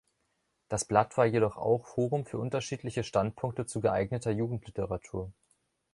Das Blatt war jedoch auch Forum für unterschiedliche Standpunkte zu geeigneter Jugendliteratur.